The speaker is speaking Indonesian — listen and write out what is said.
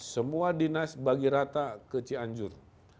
semua dinas bagi rata ke cianjur